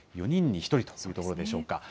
４人に１人というところでしょうか。